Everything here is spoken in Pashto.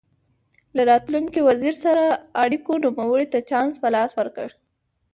له راتلونکي وزیر سره اړیکو نوموړي ته چانس په لاس ورکړ.